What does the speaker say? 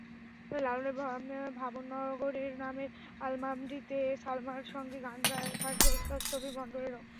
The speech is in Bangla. লালনের ভাবনগরে নামের অ্যালবামটিতে সালমার সঙ্গে গান থাকবে ওস্তাদ শফি মন্ডলেরও।